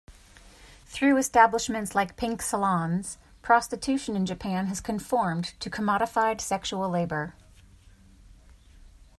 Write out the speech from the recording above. Through establishments like pink salons, prostitution in Japan has conformed to commodified sexual labor.